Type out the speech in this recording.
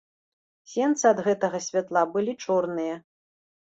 Сенцы ад гэтага святла былі чорныя.